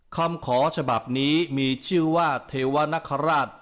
คำขอฉบับนี้มีชื่อว่าเทวนคราช